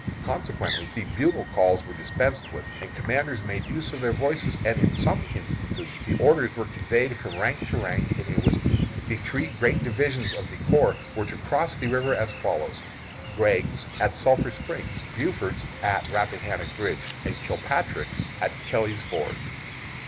Consequently the bugle calls were dispensed with, and commanders made use of their voices, and in some instances the orders were conveyed from rank to rank in a whisper. The three great divisions of the corps were to cross the river as follows: Gregg's, at Sulphur Springs; Buford's, at Rappahannock Bridge; and Kilpatrick's, at Kelly's Ford.